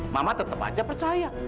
mama tetep aja percaya